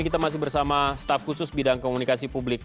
kita masih bersama staf khusus bidang komunikasi publik